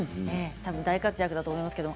大活躍だと思います。